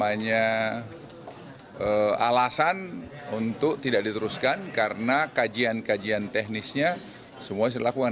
ada alasan untuk tidak diteruskan karena kajian kajian teknisnya semua sudah dilakukan